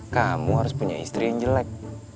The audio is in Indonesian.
kamu harus punya istri yang jelek